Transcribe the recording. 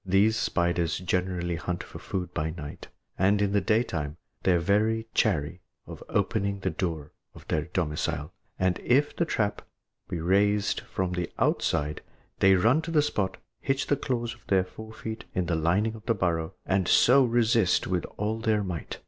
These spiders generally hunt for food by night, and in the daytime they are very chary of opening the door of their domicile, and if the trap be raised from the outside, they run to the spot, hitch the claws of their fore feet in the lining of the burrow, and so resist with all their might.